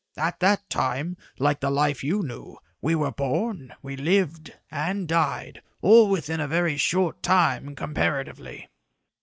At that time, like the life you knew, we were born, we lived and died, all within a very short time, comparatively."